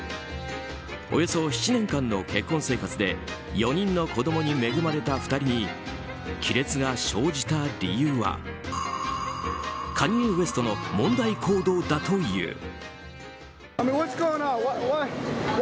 およそ７年間の結婚生活で４人の子供に恵まれた２人に亀裂が生じた理由はカニエ・ウェストさんの問題行動だという。